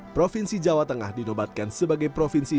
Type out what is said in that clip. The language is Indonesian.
provinsi jawa tengah dinobatkan sebagai provinsi